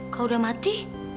kau udah mati